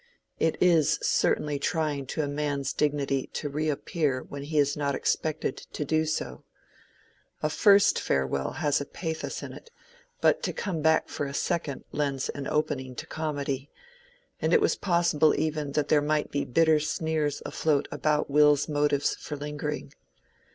It is certainly trying to a man's dignity to reappear when he is not expected to do so: a first farewell has pathos in it, but to come back for a second lends an opening to comedy, and it was possible even that there might be bitter sneers afloat about Will's motives for lingering.